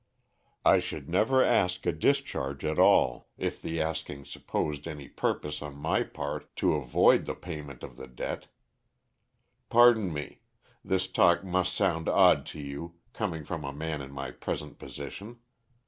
I should never ask a discharge at all if the asking supposed any purpose on my part to avoid the payment of the debt. Pardon me; this talk must sound odd to you, coming from a man in my present position.